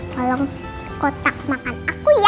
tolong kotak makan aku ya